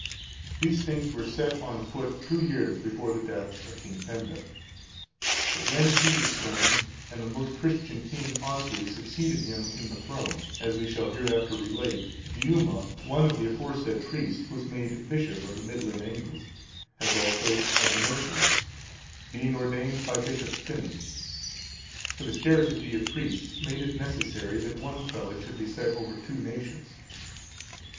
These things were set on foot two years before the death of King Penda. But when he was slain, and the most Christian king, Oswy, succeeded him in the throne, as we shall hereafter relate, Diuma,(409) one of the aforesaid four priests, was made bishop of the Midland Angles, as also of the Mercians, being ordained by Bishop Finan; for the scarcity of priests made it necessary that one prelate should be set over two nations.